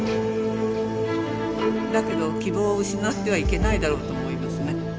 だけど希望を失ってはいけないだろうと思いますね。